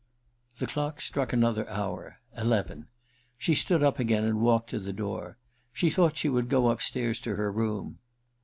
... The clock struck another hour — eleven. She stood up again and walked to the door :' she thought she would go upstairs to her room.